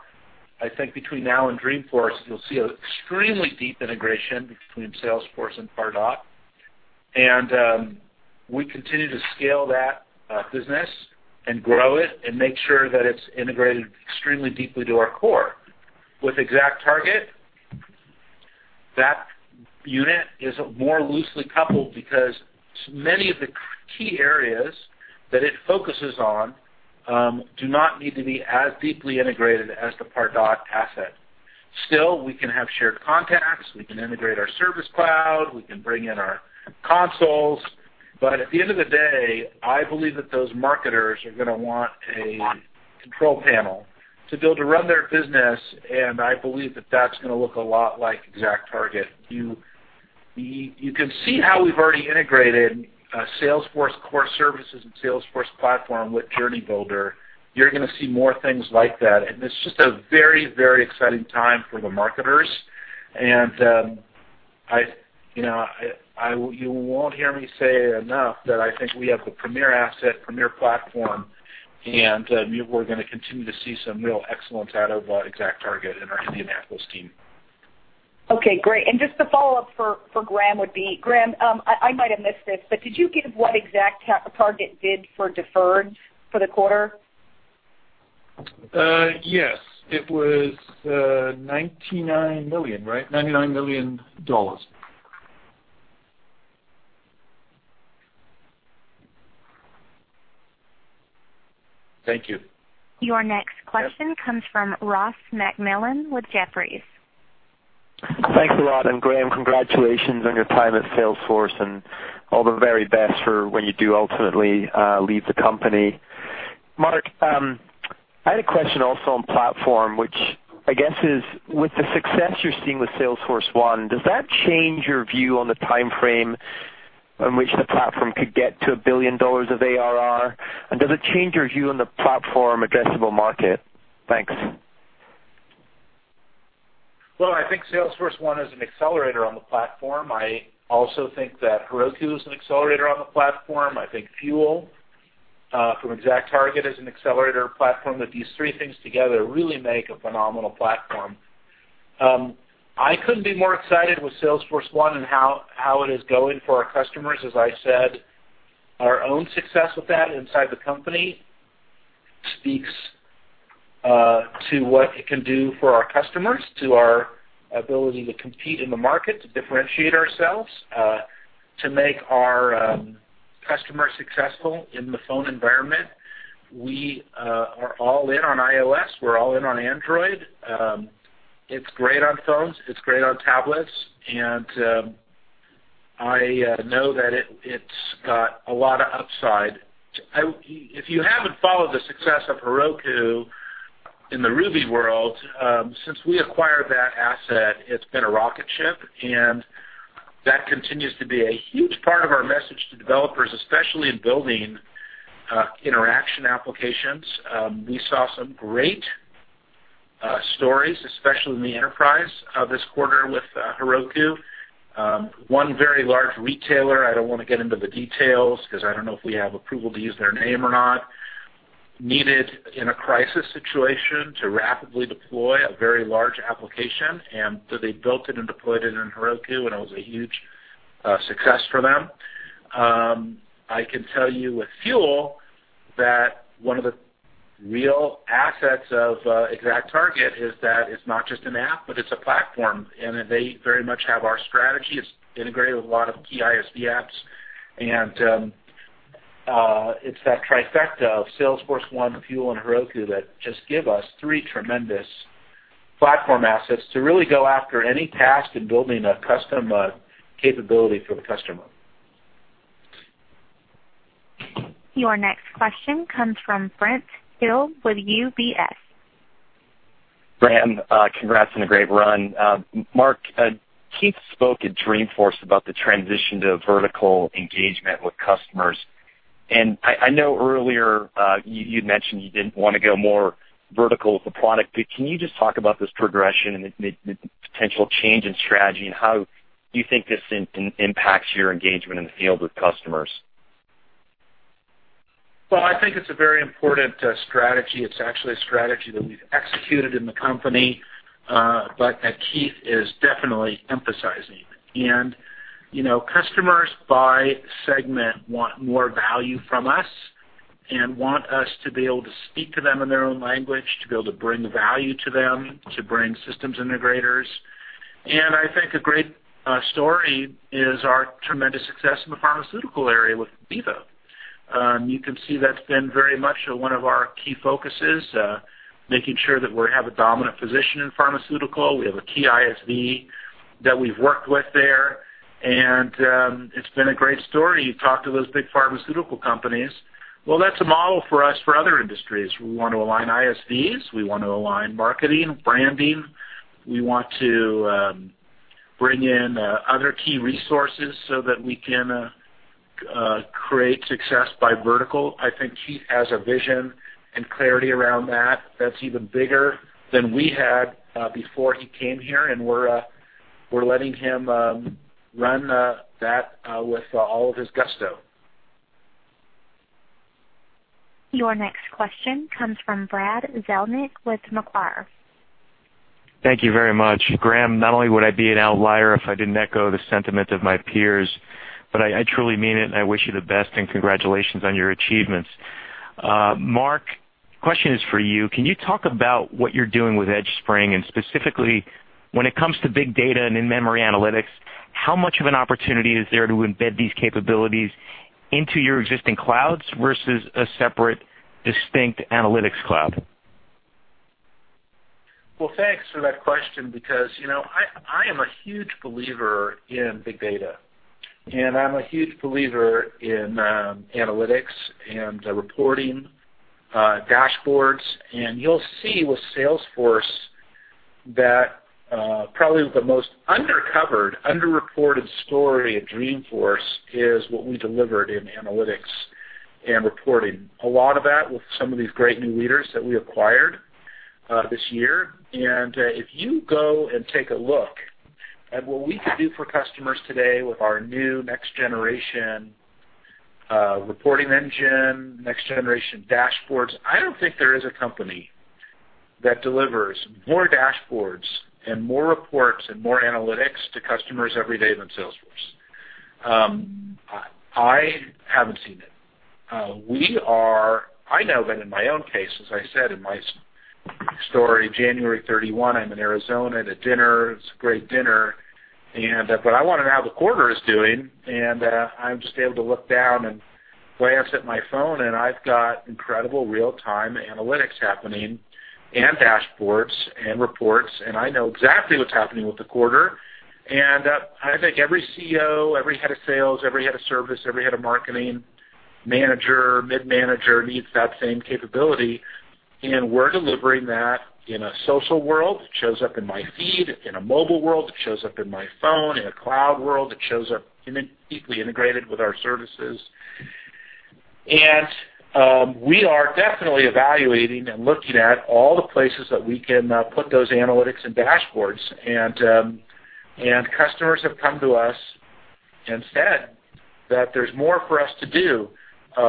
I think between now and Dreamforce, you'll see an extremely deep integration between Salesforce and Pardot. We continue to scale that business and grow it and make sure that it's integrated extremely deeply to our core. With ExactTarget, that unit is more loosely coupled because many of the key areas that it focuses on do not need to be as deeply integrated as the Pardot asset. Still, we can have shared contacts, we can integrate our Service Cloud, we can bring in our consoles, at the end of the day, I believe that those marketers are going to want a control panel to be able to run their business, and I believe that that's going to look a lot like ExactTarget. You can see how we've already integrated Salesforce core services and Salesforce Platform with Journey Builder. You're going to see more things like that, it's just a very exciting time for the marketers. You won't hear me say it enough that I think we have the premier asset, premier platform, and we're going to continue to see some real excellence out of ExactTarget and our Indianapolis team. Okay, great. Just a follow-up for Graham would be, Graham, I might have missed this, did you give what ExactTarget did for deferred for the quarter? Yes. It was $99 million, right? $99 million. Thank you. Your next question comes from Ross MacMillan with Jefferies. Thanks a lot, and Graham, congratulations on your time at Salesforce, and all the very best for when you do ultimately leave the company. Marc, I had a question also on platform, which I guess is, with the success you're seeing with Salesforce1, does that change your view on the timeframe on which the platform could get to $1 billion of ARR? Does it change your view on the platform addressable market? Thanks. Well, I think Salesforce1 is an accelerator on the platform. I also think that Heroku is an accelerator on the platform. I think Fuel from ExactTarget is an accelerator platform, that these three things together really make a phenomenal platform. I couldn't be more excited with Salesforce1 and how it is going for our customers. As I said, our own success with that inside the company speaks to what it can do for our customers, to our ability to compete in the market, to differentiate ourselves, to make our customers successful in the phone environment. We are all in on iOS. We're all in on Android. It's great on phones. It's great on tablets, and I know that it's got a lot of upside. If you haven't followed the success of Heroku in the Ruby world, since we acquired that asset, it's been a rocket ship, and that continues to be a huge part of our message to developers, especially in building interaction applications. We saw some great stories, especially in the enterprise, this quarter with Heroku. One very large retailer, I don't want to get into the details because I don't know if we have approval to use their name or not, needed in a crisis situation to rapidly deploy a very large application, and so they built it and deployed it in Heroku, and it was a huge success for them. I can tell you with Fuel that one of the real assets of ExactTarget is that it's not just an app, but it's a platform, and they very much have our strategy. It's integrated with a lot of key ISV apps, and it's that trifecta of Salesforce1, Fuel, and Heroku that just give us three tremendous platform assets to really go after any task in building a custom capability for the customer. Your next question comes from Brent Thill with UBS. Graham, congrats on a great run. Marc, Keith spoke at Dreamforce about the transition to vertical engagement with customers. I know earlier you'd mentioned you didn't want to go more vertical with the product, can you just talk about this progression and the potential change in strategy, and how you think this impacts your engagement in the field with customers? Well, I think it's a very important strategy. It's actually a strategy that we've executed in the company, but that Keith is definitely emphasizing. Customers by segment want more value from us and want us to be able to speak to them in their own language, to be able to bring value to them, to bring systems integrators. I think a great story is our tremendous success in the pharmaceutical area with Veeva. You can see that's been very much one of our key focuses, making sure that we have a dominant position in pharmaceutical. We have a key ISV that we've worked with there, and it's been a great story. You talk to those big pharmaceutical companies. Well, that's a model for us for other industries. We want to align ISVs. We want to align marketing, branding. We want to bring in other key resources so that we can create success by vertical. I think Keith has a vision and clarity around that that's even bigger than we had before he came here, we're letting him run that with all of his gusto. Your next question comes from Brad Zelnick with Macquarie. Thank you very much. Graham, not only would I be an outlier if I didn't echo the sentiment of my peers, but I truly mean it, and I wish you the best and congratulations on your achievements. Marc, question is for you. Can you talk about what you're doing with EdgeSpring, and specifically when it comes to big data and in-memory analytics? How much of an opportunity is there to embed these capabilities into your existing clouds versus a separate, distinct analytics cloud? Thanks for that question, because I am a huge believer in big data, and I'm a huge believer in analytics and reporting, dashboards. You'll see with Salesforce that probably the most undercovered, under-reported story of Dreamforce is what we delivered in analytics and reporting. A lot of that with some of these great new leaders that we acquired this year. If you go and take a look at what we can do for customers today with our new next-generation reporting engine, next-generation dashboards, I don't think there is a company that delivers more dashboards and more reports and more analytics to customers every day than Salesforce. I haven't seen it. I know that in my own case, as I said in my story, January 31, I'm in Arizona at a dinner. It's a great dinner. I want to know how the quarter is doing, and I'm just able to look down and glance at my phone, and I've got incredible real-time analytics happening and dashboards and reports, and I know exactly what's happening with the quarter. I think every CEO, every head of sales, every head of service, every head of marketing, manager, mid-manager, needs that same capability, and we're delivering that in a social world. It shows up in my feed. In a mobile world, it shows up in my phone. In a cloud world, it shows up deeply integrated with our services. We are definitely evaluating and looking at all the places that we can put those analytics and dashboards, and customers have come to us and said that there's more for us to do,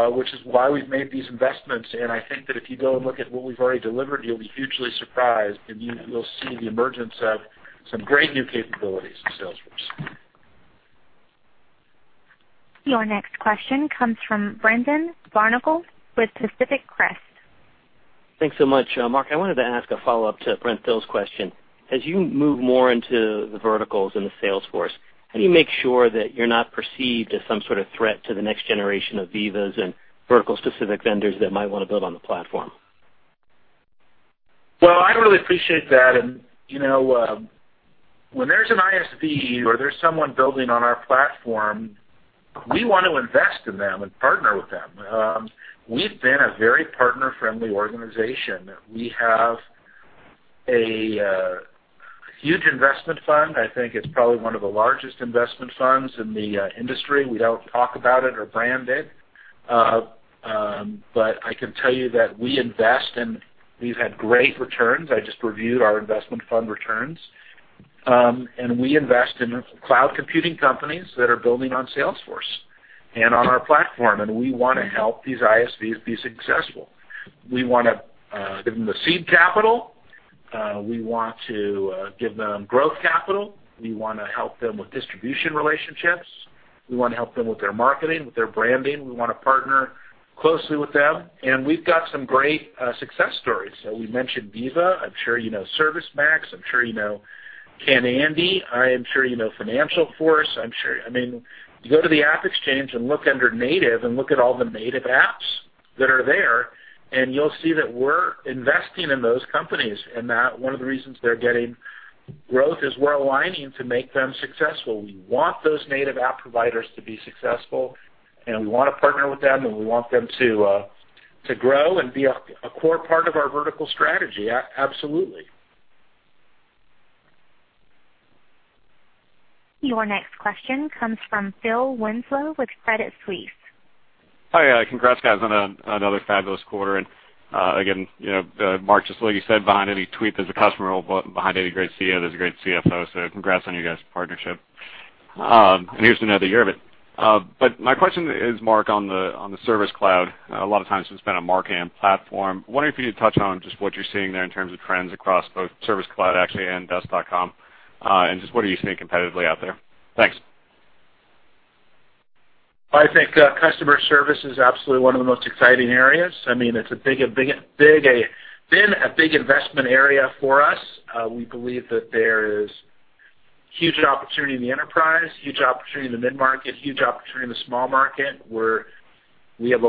which is why we've made these investments. I think that if you go and look at what we've already delivered, you'll be hugely surprised, and you'll see the emergence of some great new capabilities in Salesforce. Your next question comes from Brendan Barnicle with Pacific Crest. Thanks so much. Marc, I wanted to ask a follow-up to Brent Thill's question. As you move more into the verticals in Salesforce, how do you make sure that you're not perceived as some sort of threat to the next generation of Veevas and vertical-specific vendors that might want to build on the platform? Well, I really appreciate that. When there's an ISV or there's someone building on our platform, we want to invest in them and partner with them. We've been a very partner-friendly organization. We have a huge investment fund. I think it's probably one of the largest investment funds in the industry. We don't talk about it or brand it. I can tell you that we invest, and we've had great returns. I just reviewed our investment fund returns. We invest in cloud computing companies that are building on Salesforce and on our platform, and we want to help these ISVs be successful. We want to give them the seed capital. We want to give them growth capital. We want to help them with distribution relationships. We want to help them with their marketing, with their branding. We want to partner closely with them. We've got some great success stories. We mentioned Veeva. I'm sure you know ServiceMax. I'm sure you know Kenandy. I am sure you know FinancialForce. You go to the AppExchange and look under Native and look at all the native apps that are there, and you'll see that we're investing in those companies, and that one of the reasons they're getting growth is we're aligning to make them successful. We want those native app providers to be successful, and we want to partner with them, and we want them to grow and be a core part of our vertical strategy. Absolutely. Your next question comes from Phil Winslow with Credit Suisse. Hi. Congrats, guys, on another fabulous quarter. Again, Marc, just like you said, behind any tweet, there's a customer. Behind any great CEO, there's a great CFO. Congrats on you guys' partnership. Here's to another year of it. My question is, Marc, on the Service Cloud. A lot of times it's been a marquee platform. Wondering if you could touch on just what you're seeing there in terms of trends across both Service Cloud, actually, and Desk.com, and just what are you seeing competitively out there? Thanks. I think customer service is absolutely one of the most exciting areas. It's been a big investment area for us. We believe that there is huge opportunity in the enterprise, huge opportunity in the mid-market, huge opportunity in the small market, where we have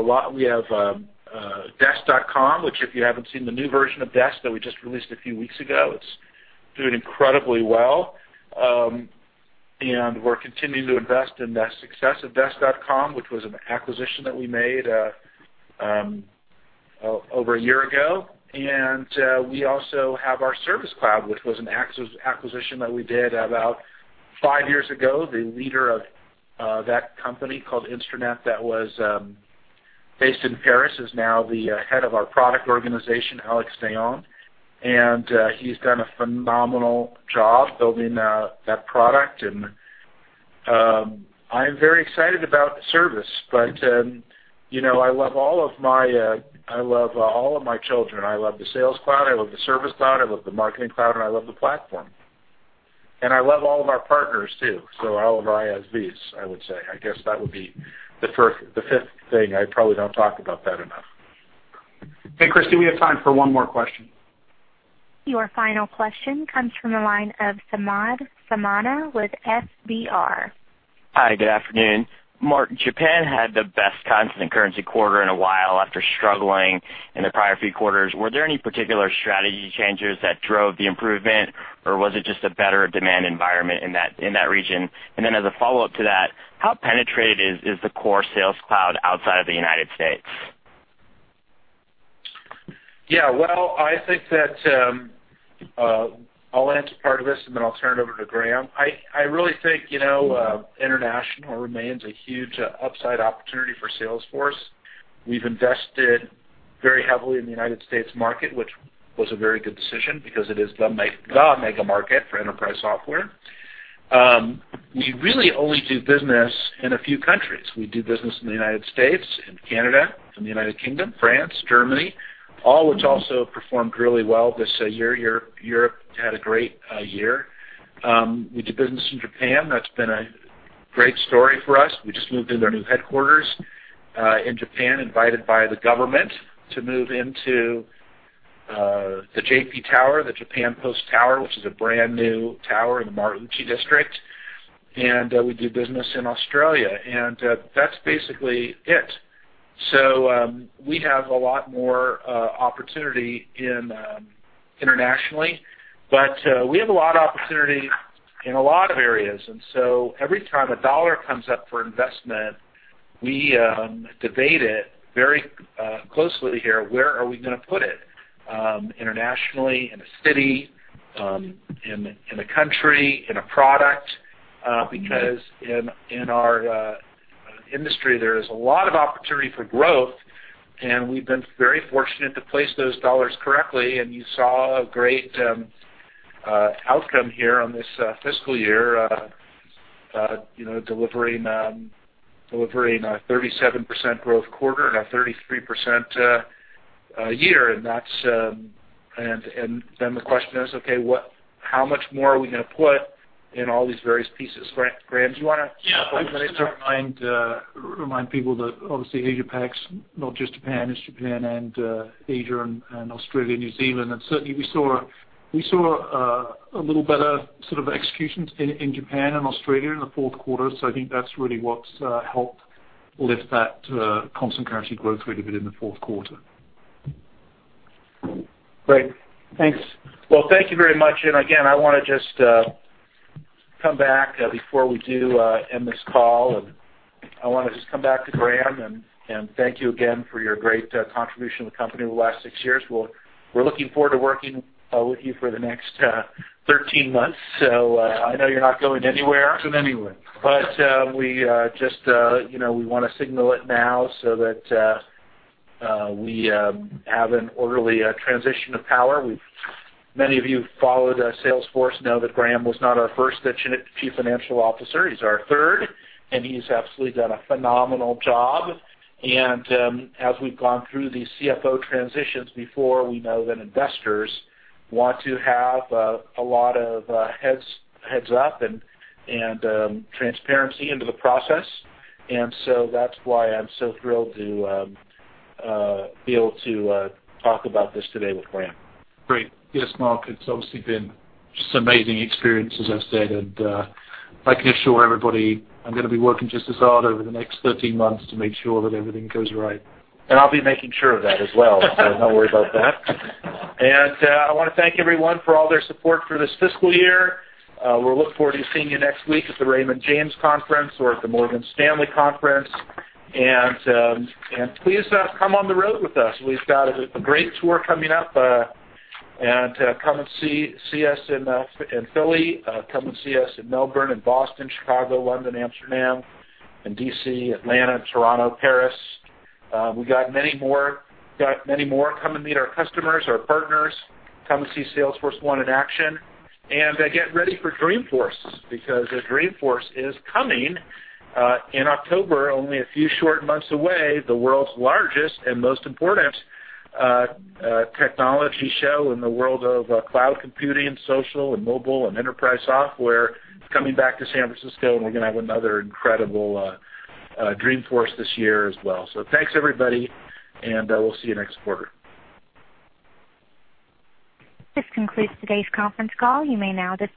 Desk.com, which if you haven't seen the new version of Desk that we just released a few weeks ago, it's doing incredibly well. We're continuing to invest in the success of Desk.com, which was an acquisition that we made over a year ago. We also have our Service Cloud, which was an acquisition that we did about five years ago. The leader of that company, called InStranet, that was based in Paris, is now the head of our product organization, Alex Dayon, and he's done a phenomenal job building that product. I am very excited about service, but I love all of my children. I love the Sales Cloud, I love the Service Cloud, I love the Marketing Cloud, and I love the platform. I love all of our partners, too, all of our ISVs, I would say. I guess that would be the fifth thing. I probably don't talk about that enough. Hey, Christy, we have time for one more question. Your final question comes from the line of Samad Samana with FBR. Hi, good afternoon. Marc, Japan had the best constant currency quarter in a while after struggling in the prior few quarters. Were there any particular strategy changes that drove the improvement, or was it just a better demand environment in that region? How penetrated is the core Sales Cloud outside of the U.S.? Well, I think that I'll answer part of this, then I'll turn it over to Graham. I really think international remains a huge upside opportunity for Salesforce. We've invested very heavily in the U.S. market, which was a very good decision because it is the mega market for enterprise software. We really only do business in a few countries. We do business in the U.S., in Canada, in the U.K., France, Germany, all which also performed really well this year. Europe had a great year. We do business in Japan. That's been a great story for us. We just moved into their new headquarters, in Japan, invited by the government to move into the JP Tower, the Japan Post Tower, which is a brand-new tower in the Marunouchi district. We do business in Australia, and that's basically it. We have a lot more opportunity internationally, but we have a lot of opportunity in a lot of areas. Every time a dollar comes up for investment, we debate it very closely here. Where are we going to put it? Internationally, in a city, in a country, in a product? Because in our industry, there is a lot of opportunity for growth, and we've been very fortunate to place those dollars correctly. You saw a great outcome here on this fiscal year, delivering a 37% growth quarter and a 33% year. The question is, okay, how much more are we going to put in all these various pieces? Graham, do you want to- Yeah. I would just remind people that obviously Asia-Pac's not just Japan. It's Japan and Asia and Australia, New Zealand. Certainly, we saw a little better sort of executions in Japan and Australia in the fourth quarter. I think that's really what's helped lift that constant currency growth rate a bit in the fourth quarter. Great. Thanks. Well, thank you very much. Again, I want to just come back before we do end this call, and I want to just come back to Graham and thank you again for your great contribution to the company over the last six years. We're looking forward to working with you for the next 13 months. I know you're not going anywhere. Not going anywhere. We want to signal it now so that we have an orderly transition of power. Many of you who followed Salesforce know that Graham was not our first Chief Financial Officer. He's our third, and he's absolutely done a phenomenal job. As we've gone through these CFO transitions before, we know that investors want to have a lot of heads up and transparency into the process. That's why I'm so thrilled to be able to talk about this today with Graham. Great. Yes, Mark, it's obviously been just an amazing experience, as I've said. I can assure everybody I'm going to be working just as hard over the next 13 months to make sure that everything goes right. I'll be making sure of that as well. Don't worry about that. I want to thank everyone for all their support for this fiscal year. We look forward to seeing you next week at the Raymond James Conference or at the Morgan Stanley Conference. Please come on the road with us. We've got a great tour coming up. Come and see us in Philly. Come and see us in Melbourne and Boston, Chicago, London, Amsterdam, and D.C., Atlanta, Toronto, Paris. We got many more. Come and meet our customers, our partners. Come and see Salesforce1 in action. Get ready for Dreamforce, because Dreamforce is coming in October, only a few short months away. The world's largest and most important technology show in the world of cloud computing, social and mobile, and enterprise software. It's coming back to San Francisco, and we're going to have another incredible Dreamforce this year as well. Thanks, everybody, and we'll see you next quarter. This concludes today's conference call. You may now disconnect.